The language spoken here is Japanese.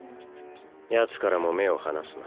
ヤツからも目を離すな。